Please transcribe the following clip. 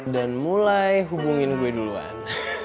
dan mulai hubungin gue duluan